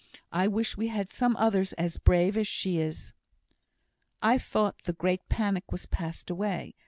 I wish we had some others as brave as she is." "I thought the great panic was passed away!"